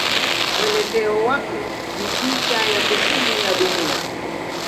Mwelekeo wake ni ncha ya kusini ya dunia.